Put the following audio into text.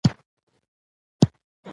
د دغسې کلماتو کارول هم د کیسې ژبه زیانمنوي